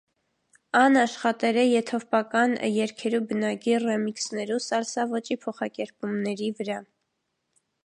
Ան աշխատեր է եթովպական երգերու բնագիր ռեմիքսներու՝ սալսա ոճի փոխակերպումներու վրայ։